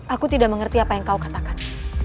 aku tidak mengerti apa yang kau katakan